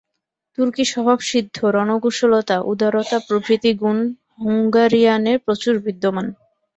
তুর্কী-স্বভাবসিদ্ধ রণকুশলতা, উদারতা প্রভৃতি গুণ হুঙ্গারীয়ানে প্রচুর বিদ্যমান।